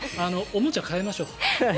おもちゃ変えましょう。